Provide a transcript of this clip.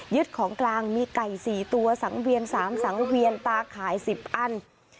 ของกลางมีไก่๔ตัวสังเวียน๓สังเวียนตาข่าย๑๐อัน